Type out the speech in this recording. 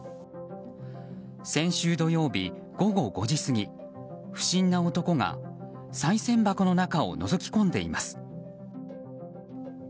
先週土曜日、午後５時過ぎ不審な男が、さい銭箱の中をのぞき込んでいます。